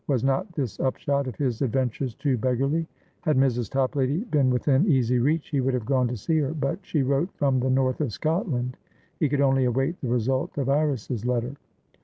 Was not this upshot of his adventures too beggarly? Had Mrs. Toplady been within easy reach, he would have gone to see her; but she wrote from the north of Scotland. He could only await the result of Iris's letter.